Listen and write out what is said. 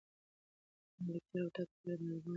د ملکیار هوتک په اړه معلومات په کتابونو کې شته.